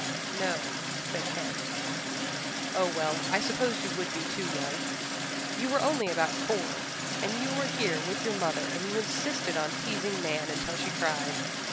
"No," said Ken. "Oh well, I suppose you would be too young you were only about four and you were here with your mother and you insisted on teasing Nan until she cried.